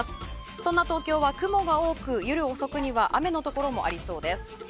そんな東京は雲が多く夜遅くには雨のところもありそうです。